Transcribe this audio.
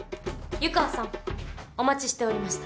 湯川さんお待ちしておりました。